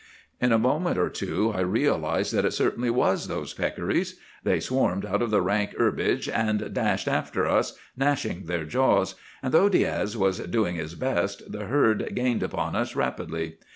"In a moment or two I realized that it certainly was those peccaries. They swarmed out of the rank herbage and dashed after us, gnashing their jaws; and, though Diaz was doing his best, the herd gained upon us rapidly.